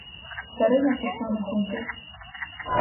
Дарина пішла на хутір.